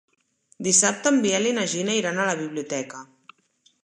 Dissabte en Biel i na Gina iran a la biblioteca.